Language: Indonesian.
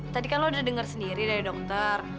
tadi kan lo udah dengar sendiri dari dokter